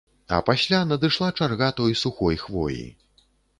А пасля надышла чарга той сухой хвоі.